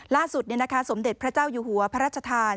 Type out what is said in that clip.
ล่าสุดนะคะสมเด็จพระเจ้าอยู่หัวพระราชทาน